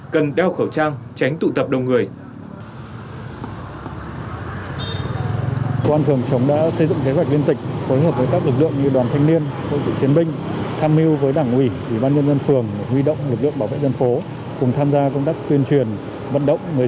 cần đeo khẩu trang tránh tụ tập đông người